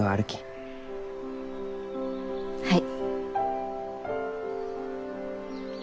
はい。